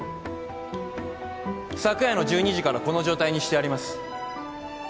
昨夜の１２時からこの状態にしてあります。